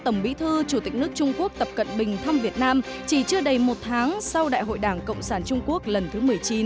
tổng bí thư chủ tịch nước trung quốc tập cận bình thăm việt nam chỉ chưa đầy một tháng sau đại hội đảng cộng sản trung quốc lần thứ một mươi chín